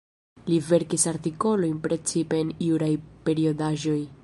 Li verkis artikolojn precipe en juraj periodaĵoj.